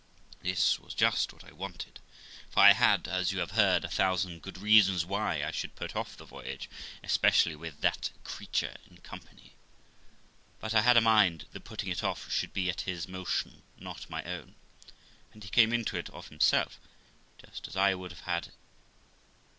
This was just what I wanted, for I had, as you have heard, a thousand good reasons why I should put off the voyage, especially with that creature in company ; but I had a mind the putting it off should be at his motion, not my own; and he came into it of himself, just as I would have had it.